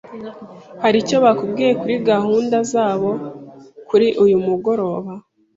Hari icyo bakubwiye kuri gahunda zabo kuri uyu mugoroba?